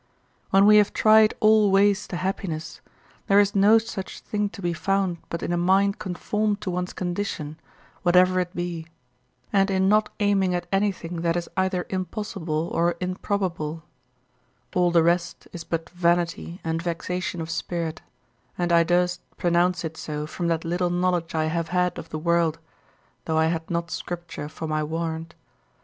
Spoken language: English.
When we have tried all ways to happiness, there is no such thing to be found but in a mind conformed to one's condition, whatever it be, and in not aiming at anything that is either impossible or improbable; all the rest is but vanity and vexation of spirit, and I durst pronounce it so from that little knowledge I have had of the world, though I had not Scripture for my warrant.